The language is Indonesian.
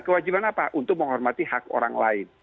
kewajiban apa untuk menghormati hak orang lain